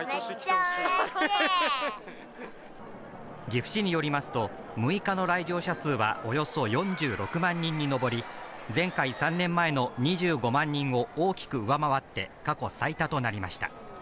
岐阜市によりますと、６日の来場者数はおよそ４６万人に上り、前回３年前の２５万人を大きく上回って、過去最多となりました。